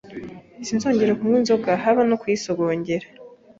sinzongera kunywa inzoga haba no kuyisogongera